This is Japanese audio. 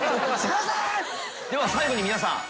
狩野）では最後に皆さん。